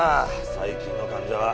最近の患者は。